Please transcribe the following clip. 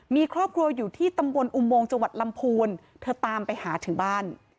มีครอบครัวอยู่ที่ตำบลอุโมงจังหวัดลำพูนเธอตามไปหาถึงบ้าน